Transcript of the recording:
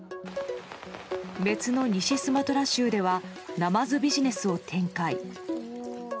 別の西スマトラ州ではナマズビジネスを展開。